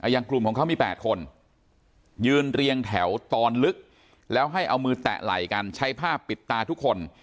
อย่างกลุ่มของเขามี๘คนยืนเรียงแถวตอนลึกแล้วให้เอามือแตะไหล่กันใช้ผ้าปิดตาทุกคน